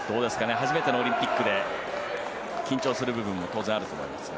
初めてのオリンピックで緊張する部分も当然あると思いますが。